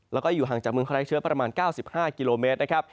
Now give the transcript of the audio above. แล้วก็อยู่ห่างจากเมืองไทยเชื้อประมาณ๙๕กิโลเมตรนะครับ